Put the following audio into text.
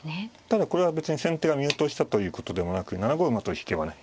ただこれは別に先手が見落としたということでもなく７五馬と引けばね